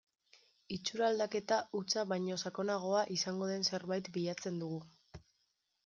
Itxura aldaketa hutsa baino sakonagoa izango den zerbait bilatzen dugu.